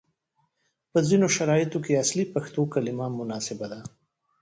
په ځینو شرایطو کې اصلي پښتو کلمه مناسبه ده،